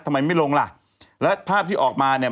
ทำไมไม่ลงล่ะแล้วภาพที่ออกมาเนี่ย